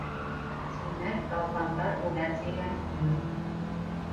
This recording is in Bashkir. Тимәк, талпандар үлә тигән һүҙ.